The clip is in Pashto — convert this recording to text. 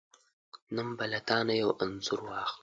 نن به له تانه یو انځور واخلم .